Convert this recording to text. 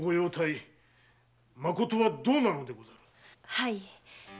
はい。